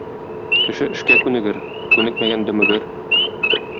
Кеше эшкә күнегер, күнекмәгән дөмегер.